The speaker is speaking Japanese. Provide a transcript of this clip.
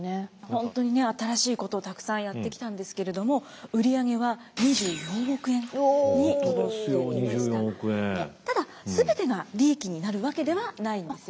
本当にね新しいことをたくさんやってきたんですけれどもただ全てが利益になるわけではないんですよね。